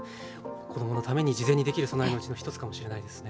子どものために事前にできる備えのうちの一つかもしれないですね。